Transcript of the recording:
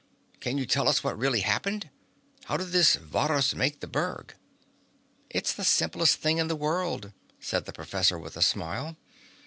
"Can you tell me what really happened? How did this Varrhus make the berg?" "It's the simplest thing in the world," said the professor with a smile.